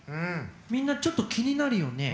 みんなちょっと気になるよね。